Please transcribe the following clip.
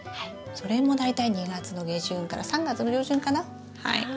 それも大体２月の下旬から３月の上旬かな。